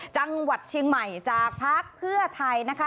จังหวัดเชียงใหม่จากพักเพื่อไทยนะคะ